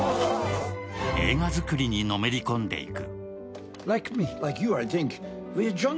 映画作りにのめり込んでいく。